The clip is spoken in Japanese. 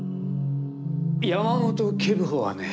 山本警部補はね